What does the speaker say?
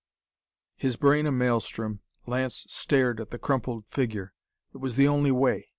_" His brain a maelstrom, Lance stared at the crumpled figure. It was the only way!